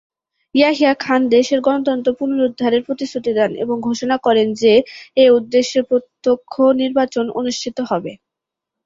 ইয়াহিয়া খান দেশে গণতন্ত্র পুনরুদ্ধারের প্রতিশ্রুতি দেন এবং ঘোষণা করেন যে এ উদ্দেশ্যে প্রত্যক্ষ নির্বাচন অনুষ্ঠিত হবে।